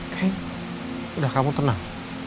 kay udah kamu tenang